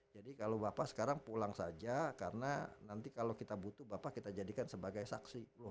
jadi kalau bapak sekarang pulang saja karena nanti kalau kita butuh bapak kita jadikan sebagai saksi